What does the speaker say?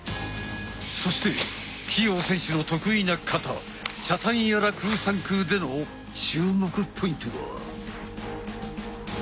そして希容選手の得意な形「チャタンヤラ・クーサンクー」での注目ポイントは？